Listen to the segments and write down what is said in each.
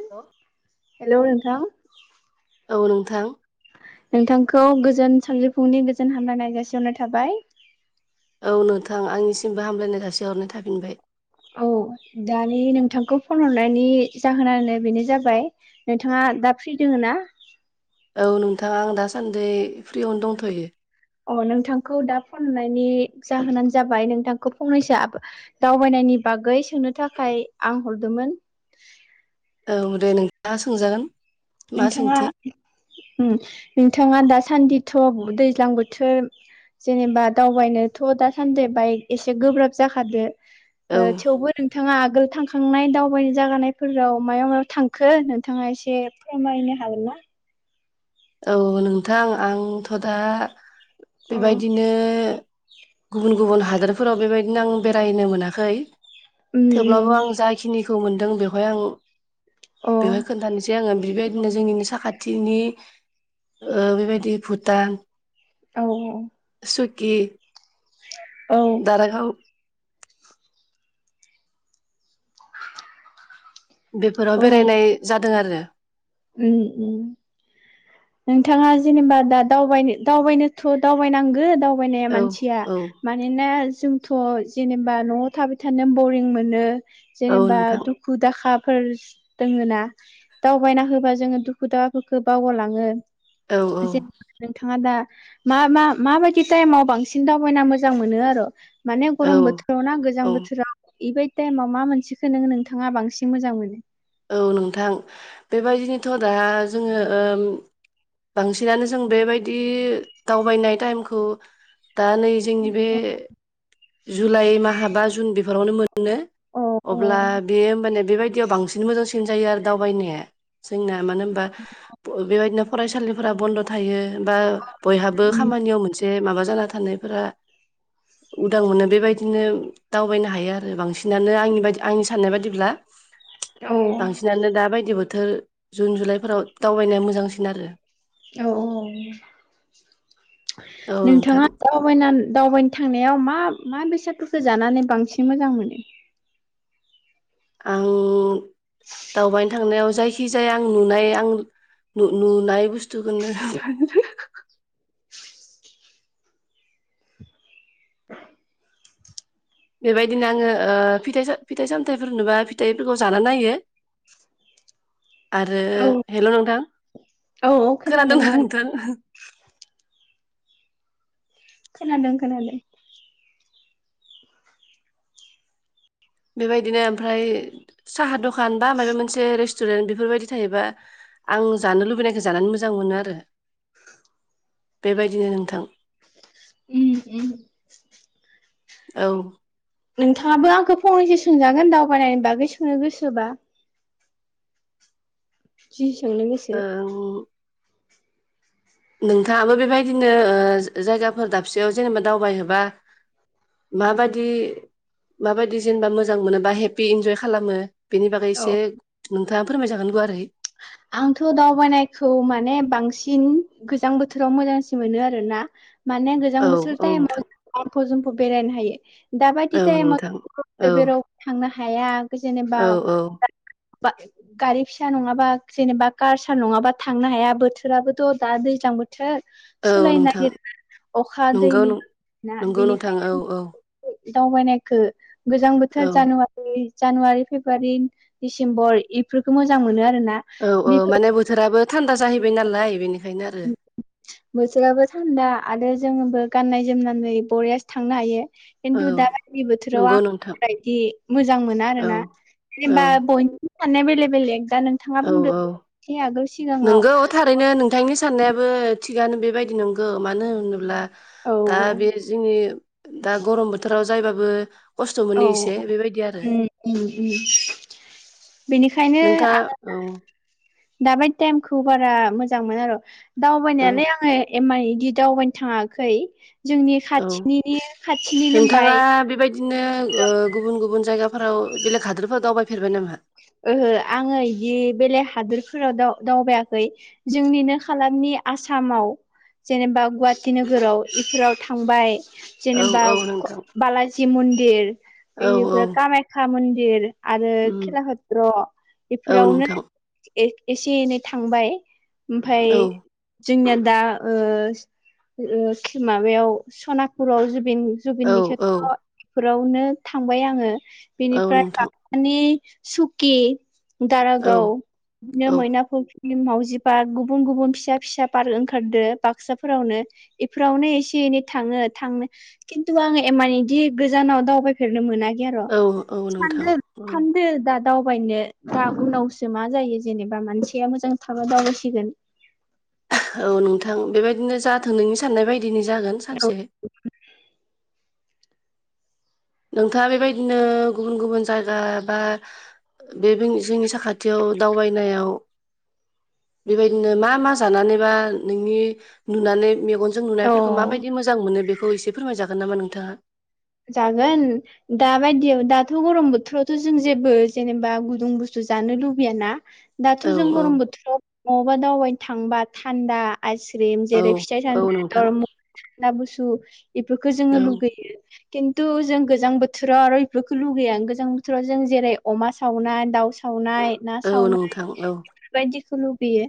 [inaudible] Hello नोंथां औ नोंथां नोंथांखौ गोजोन सानजफुंनि गोजोन हामलानाय जाासिहरनाय थाबाय औ नोंथां आंनिसिमबो हामलायनाय जासे हरनाय थाफिनबाय औ दानि नोंथांखौ फन हरनायनि जाहोनानो बेनो जाबाय नोंथाङा दा फ्रि दोङो ना औ नोंथाङा आं दासान्दि फ्रियावनो दंथ'यो अ नोंथांखौ दा फननायनि जाहोनानो जाबाय नोंथांखौ फंनैसो दावबायनायनि बागै सोंनो थाखाय आं हरदोंमोन औ दे नोंथाङा सोंजागोन मा नोंथाङा सोंथि नोंथाङा दासान्दिथ' दैज्लां बोथोर जेनेबा दावबायनोथ' दासान्दि बाइक एसे गोब्राब जाखादो औ थेवबो नोंथाङा आगोल थांखांनाय दावबायनो जागानायफोराव मायाव मायाव थांखो नोंथाङा एसे फोरमायनो हागोन ना? औ नोंथां आंथ' दा अ बेबायदिनो गुबुन गुबुन हादोरफोराव बेबायदिनो आं बेरायनो मोनाखै उम थेवब्लाबो उम आं जा बेनिखौ मोनदों बेवहाय आं बेवहाय अ खोन्थानोसै आङो बेबायदिनो जोंनिनो साखाथि दिनै ओ बेबायदि भुटान औ सुकि औ दारागाव बेफोराव औ बेरायनाय जादों आरो उम उम नोंथाङा जेनेबा दा दावबायनोथ' दावबायनांगो दावबायनाया औ मानसिया मा औ मानोना जोंथ' जेनेबा न'आव थाबाय थानो बरिं मोनो औ जेनेबा नोंथां दुखु दाखाफोर दोङोना दावबायना हो जोङो दुखु दाहाफोरखौ बावगालाङो औ जे नोंथाङा दा मा मा माबायदि टाइमाव बांसिन दावबायना मोजां मोनो आरो माने औ गरम बोथोराव ना गोजां औ बोथोराव बेबायदि टाइमाव मा मोनसेखौ नोङो नोंथाङा बांसिन मोजां मोनो? औ नोंथां बेबायदिनोथ' दा जोङो बांसिनानो जों बेबायदि दावबायनाय टाइमखौ दा नै जोंनि बे जुलाइ माहा बा जुन बेफोरावनो मोन- नो अ अ अब्ला बेयो होमबाने बेबायदियाव बांसिन मोजांसिन जायो आरो दावबायनाया जोंना मानो होनबा बेबायदिनो फरायसालि फोरा बन्द' थायो बा बयहाबो खामानियाव मोनसे माबा जाना थानायफोरा [inaudible] उदां मोनो बेबायदिनो दावबायनो हायो आरो बांसिनानो आंनि बदि आंनि साननाय बादिब्ला औ सिनानो दा बायदि बोथोर जुन जुलाइफोराव दावबायनाया मोजांसिन आरो औ औ औ नोंथां नोंथाङा- हयनान दावबायनो थांनायाव मा मा बेसादफोरखौ जानानै बांसिन मोजां मोनो? आं दावबायनो थांनायाव जायखिजाया आं नुनाय आं नुनाय बुस्थुखोनो बेबायदिनो आङो ओ फिथाइ फिथाइ सामथायाइफोर नुबा फिथाइफोरखौ जा नायो [inaudible] आरो औ हेलौ नोंथां औ औ खोनादों खोनादोंना खोनादों नोंथां? खोनादों खोनादों बेबायदिनो ओमफ्राय साहा दखान बा माबा मोनसे रेस्टुरेन्ट बेफोरबायदि थायोबा आं जानो लुबैनायखौ जानानै मोजां मोनो आरो बेबायदिनो नोंथां उम- औ नोंथाङाबो आंखौ फंनैसो सोंजागोन दावबायनायनि बागै सोंनो गोसोबा। जि सांनो गोसो ओं नोंथाङाबो बेबायदिनो ओ जायगाफोर दाबसेयाव जेनेबा दावबायहोबा माबायदि माबायदि जेनेबा मोजां मोनोबा हेपि इन्जय खालामो बेनि बागै औ एसे नोंथाङा फोरमाय जागोन गुवारै आंथ' दावबायानायखौ माने बांसिन गोजां बोथोराव मोजांसिन मोनो आरोना माने गोजां औ बोसोर औ टाइमाव नोंथां [unintelligible] बेरायनो हायो दाबायदि औ नोंथां औ टाइमावदो [unintelligible] राव थांनो हाया जेनेबा औ औ [unintelligible] गारि फिसा नङाबा जेनेबा कारसार नङाबा थांनो हाया बोथोराबोथ' दा दैज्लां बोथोर औ सोलाय नोंथां नागिरा अखा नंगौ दैनि [unintelligible] ना नंगौ नोंथां औ बेनिखायनो औ दावबायनायखो गोजां बोथोर औ जानुवा जानुवारि फेब्रुवारि डिसेम्बर इफोरखौ मोजां मोनो आरो ना औ औ माने बोथोराबो थान्दा जाहैबाय नालाय बेनिखायनो आरो बोथोराबो थान्दा आरो जोङोबो गाननाय जोमनानै बरियासो थांनो हायो औ खिन्थु दाबायदि बोथोराव नंगौ आं नोंथां बदि मोजां मोनो औ आरोना औ जेनेबा बय साननाया बेलेग बेलेग दा नोंथाङा औ बुंदो औ से आगोल सिगाङाव नोंगौ थारैनो नोंथांनि साननायाबो थिगानो बेबायदि नंगौ मानो होनोब्ला औ दा बे जोंनि दा गरम बोथोराव जायबाबो खस्थ' मोनो एसे औ बेबायदि आरो उम उम - नोंथां ओङ दा बायदि टाइमखौ बारा मोजां मोना आरो औ दावबायनायालाय आङो एमाय इदि दावबायनो थाङाखै जोंनि औ खाथिनि खाथिनिनो बाय दिनो गुबुन गुबुन जायगाफोराव बेलेग हादोरफोराव दावबायफेरबाय नामा ओहो आङो इदि बेलेग हादरफोराव दाव दावबायाखै जोंनिनो खालामनि आसामाव जेनेबा गुवाहाटि नोगोराव इफोराव थांबाय औ जेनेबा औ नोंथां बालाजि मन्दिर औ औ इनिफ्राय कामाख्या मन्दिर आरो उम खेला कत्र औ बेफोरावनो नोंथां ए-एसे -एनै थांबाय ओमफाय औ जोंनिया दा ओ ओ माबायाव सनापुराव जुबिन औ जुबननि औ खेथ्र बेफोरावनो थांबाय आङो औ बेनिफ्राय नोंथां मानि सुकि, औ दारागाव बिदिनो औ मैना [unintelligible] [unintelligible] मावजि पार्क गुबुन गुबुन फिसा फिसा पार्क ओंखारदों बाक्साफोरावनो इफोरावनो एसे एनै थाङो थांनो खिन्थु आङो एमान इदि गोजानाव दावबाय फेरनो मोनाखै आरो औ औ नोंथां औ [unintelligible] दावबायनो दा उनावसो मा जायो जेनेबा मानसिया मोजां थाबा दावबायसिगोन। औ नोंथां बेबायदिनो जाथों नोंनि साननाय बायदिनि जागोन सानसे। नोंथाङा बेबायदिनो गुबुन गुबुन जायगा बा बे जोंनि साखाथियाव दावबायनायाव बेबायदिनो मा मा जानानैबा नोंनि नुनानै मेगन जों नुनायफोरखौ औ माबायदि मोजां मोनो बेखौ एसे फोरमायजागोन नामा नोंथाङा? जागोन। दााबायदियाव दाथ' गरम बोथोरावथ' जों जेबो जेनेबा गुदुं बुस्थु जानो लुबैयाना। दाथ' औ जों औ गरम बोथोराव बहाबा दावबायनो थांबा थान्दा आइसक्रिम औ जेरै औ फिथाइ-सामथाइ थानदा नोंथां टरमुज थानदा गुसु बेफोरखौ जोङो औ लुगैयो। खिन्थु जों गोजां बोथोराव आरो बेफोरखौ लुगैया। गोजां बोथोराव जों जेरै अमा सावनाय दाव सावनाय ना औ सावनाय नोंथां औ बेफोरबायदिखौ लुबैयो।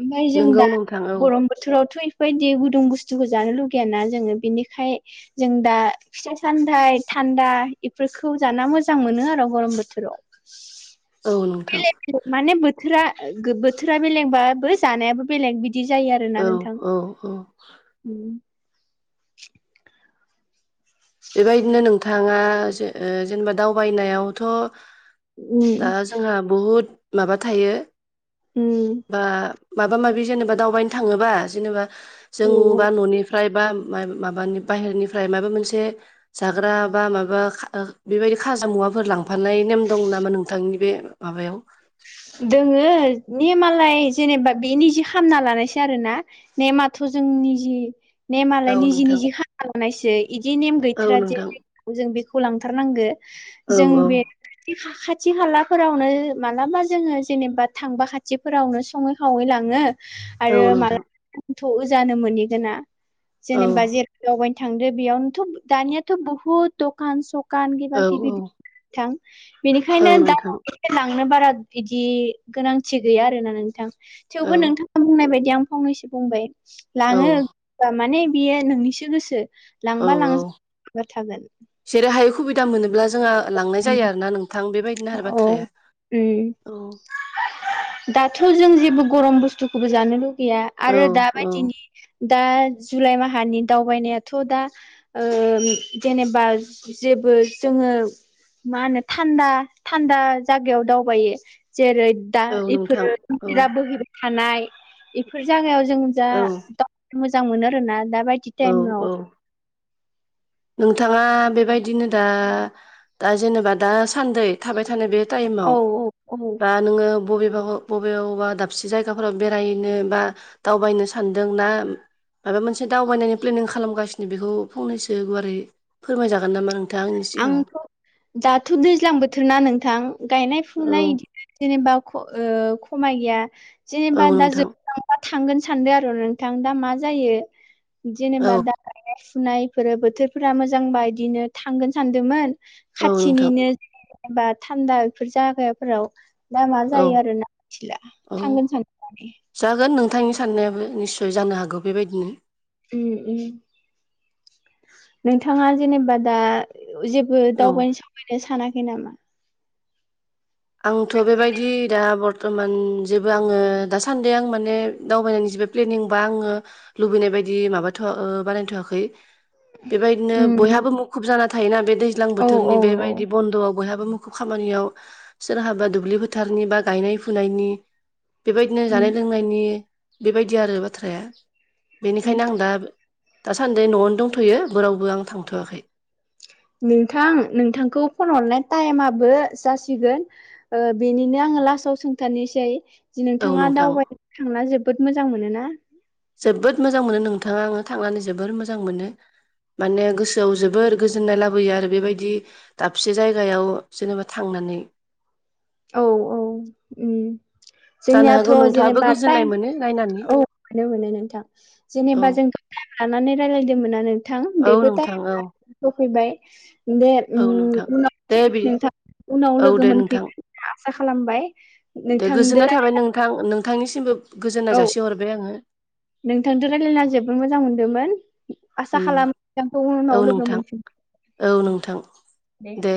ओमफ्राय जों नोंगौ दा नोंथां औ गरम बोथोरावथ' बेफोरबायदि गुदुं बुस्थुखौ जानो लुगैयाना जोङो बिनिखाय जों दा फिथाइ- सामथाइ थान्दा इफोरखौ जाना मोजां मोनो आरो गरम बोथोराव। [unintelligible] औ नोंथां। माने बोथोरा -बोथोरा बेलेगबाबो जानायाबो बेलेग बिदि बिदि जायो आरोना औ नोंथां। औ औ बेबायदिनो नोंथां नोंथाङा जे जेनेबा दावबायनायावथ' दा उम जोंहा बहुद माबा थायो ओम। बा माबा माबि जेनेबा दावबायनो थाङोबा जेनेबा औ जोंबा न'नि -फ्राय बा माबानि बाहेरनिफ्राय माबा मोनसे जाग्रा बा माबा बेबायदि खा- खाजा मुवाफोर लांफानाय नेम दं नामा नोंथांनि बे माबायाव दोङो नेमालाय जेनेबा बेनि निजे खामना लानायसै आरो ना। नेमाथ' जों निजि नेमालाय औ निजि नोंथां निजि खालामना लानायसो बिदि नेम औ गैथारा जे नोंथां जों बेखौ लांथारनांगौ। औ जों औ बे खाथि खालाफोरावनो मालाबा जोङो जेनेबा थांबा खाथिफोरावनो सङै खावै लाङो औ आरो नोंथां मालाबा थ' जानो मोनहैगोना औ जेनेबा जेर दावबायनो थांदो बेयावनोथ' दानियाथ' बुहुद दखान सखान किबा औ औ किबि नोंथां बेनिखायनो औ दा नोंथां लांनो बारा बिदि गोनांथि गैया आरोना नोंथां औ थेवबो नोंथाङा बुंनाय बायदि आं फंनैसो बुंबाय। औ लाङो माने बियो नोंनिसो गोसो। लांबा लांजाबा [unintelligible] थागोन। जेरै हायै सुबिदा मोनोब्ला जोंहा लांनाय जायो आरोना नोंथां बेबायदि औ ओम। दाथ' जों जेबो गरम बुस्थुखौबो जानो लुगैया। औ आरो औ दाबायदिनि दा जुलाइ माहानि दावबायनायाथ' दा ओ जेनेबा जेबो जोङो मा होनो थान्दा थान्दा जायगायाव दावबायो। जेरै दा औ नोंथां इफोरो औ इ बोहैबाय थानाय बेफोर जागायाव जों जा औ मोजां मोनो आरोना‌ दा बाय दि औ टाइमाव। औ नोंथाङा बेबायदिनो दा दा जेनेबा दा सान्दै थाबाय थानाय बे औ टाइमाव औ औ बा नोङो बबेबा बबेबा दाबसे जायगाफोराव बेरायनो बा दावबायनो सानदों ना माबा मोनसे दावबायनायनि प्लेनिं खालामगासिनो बेखौ फंनैसो गुवारै फोरमायजागोन नामा नोंथां। आंथ' दाथ' दैज्लां बोथोर ना नोंथां गायनाय फुनाय औ बिदिनो जेनेबा ख' ओ खमाय गैया औ जेनेबा दा नोंथां जोब दा थांगोन सानदों आरो नोंथां दा मा जायो। औ जेनेबा दा गायनाय फुनायफोर बोथोरफोरा मोजांबा इदिनो थांगोन सानदोंमोन औ नोंथां खाथिनिनो जेनेबा थान्दा बेफोर जागाफोराव दा मा औ जायो आरो ना मिथिला औ थांगोन सानसे जागोन नोंथांनि साननायाबो निस्सय जानो हागौ बेबायदिनो। उम उम नोंथाङा जेनेबा दा जे बो औ दावबायनो सावबायनो सानाखै नामा? आंथ' बेबायदि दा बर्थमान जेबो आङो दासान्दि आं माने दावबायनायनि जेबो प्लेनिं बा आङो लुबैनाय बायदि माबाथ' ओ बानायथ'वाखै। बेबायदिनो उम बयहाबो मुखुब जाना थायोना बे दैज्लां औ बोथोरनि औ बेबायदि बन्द'आव बयहाबो मुखुब खामानियाव सोरहाबा दुब्लि फोथारनि बा गायनाय फुनायनि बेबायदिनो उम जानाय लोंनायनि बेबायदि आरो बाथ्राया उम बेनिखायनो आं दा दासान्दि न'आवनो दंथ'यो बोरावबो आं थांथ'वाखै। नोंथां नोंथांखौ फन हरनाय टाइमाबो जासिगोन। ओ बेनिनो आङो लास्टाव सोंथारानोसै। जि औ नोंथाङा नोंथां दावबायनो थांना जोबोद मोजां मोनो ना? जोबोद मोजां मोनो नोंथाङा आङो थांनानै जोबोर मोजां मोनो। माने गोसोआव जोबोर गोजोननाय लाबोयो आरो बेबायदि दाबसे जायगायाव जेनेबा थांनानै। औ औ उम जानो जोंनियाथ' हागौ नोंथाङाबो जेनेबा गोजोननाय टाइम मोनो नायनानै औ मोनो मोनो नोंथां। औ जेनेबा जोंखौ टाइम लानानै रायज्लायदोंमोन ना नोंथां औ बेबो नोंथां टाइम औ ला सफैबाय दे औ नोंथां दे उनाव बि नोंथां उनाव औ लोगो दे मोनफै नोंथां आसा खालामबाय। दे गोजोननाय थाबाय नोंथां नोंथांनिसिमबो गोजोननाय औ जासिहरबाय आङो। नोंथांजों' रायलायना जोबोद मोजां मोनदोंमोन आसा उम खालाम नोंथांखौ उनाव औ लोगो नोंथां मोनफिन औ नोंथां दे।